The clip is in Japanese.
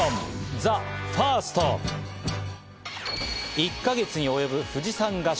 １か月に及ぶ富士山合宿。